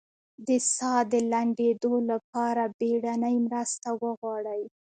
د ساه د لنډیدو لپاره بیړنۍ مرسته وغواړئ